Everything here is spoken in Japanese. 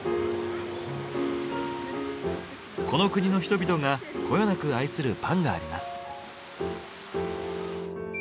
この国の人々がこよなく愛するパンがあります。